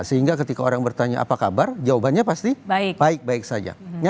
sehingga ketika orang bertanya apa kabar jawabannya pasti baik baik saja